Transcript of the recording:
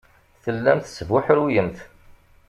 Tellamt tesbuḥruyemt.